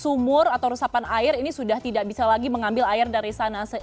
sehingga warga warga yang mengandalkan sumur atau rusapan air ini sudah tidak bisa lagi mengambil air dari sana